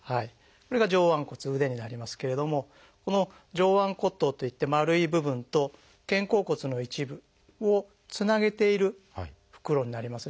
これが上腕骨腕になりますけれどもこの上腕骨頭といって丸い部分と肩甲骨の一部をつなげている袋になります。